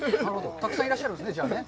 たくさん、いらっしゃるんですね、じゃあね。